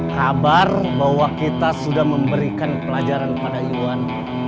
kabar bahwa kita sudah memberikan pelajaran kepada iwan